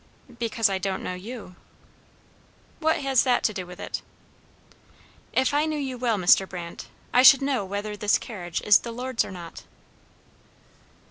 "Because I don't know you." "What has that to do with it?" "If I knew you well, Mr. Brandt, I should know whether this carriage is the Lord's or not."